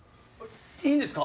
いいんですか？